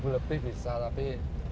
dua ribu lebih bisa tapi